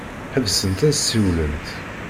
Ḥebsent ad ssiwlent.